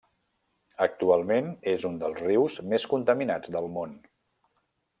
Actualment és un dels rius més contaminats del món.